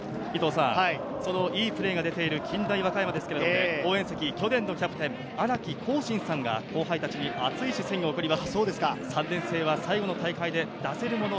いいプレーが出ている近大和歌山ですけれど、応援席、去年のキャプテン・あらきこうしんさんが後輩たちに熱い視線を送ります。